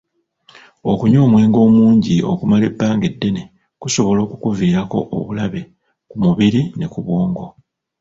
Okunywa omwenge omungi okumala ebbanga eddene kusobola okukuviirako obulabe ku mubiri ne ku bwongo.